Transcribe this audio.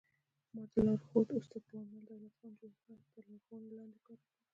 ما د لارښود استاد پوهنمل دولت خان جوهر تر لارښوونې لاندې کار وکړ